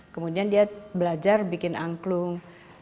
kemudian dia belajar bikin angklung